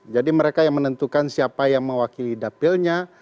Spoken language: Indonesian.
jadi mereka yang menentukan siapa yang mewakili dapilnya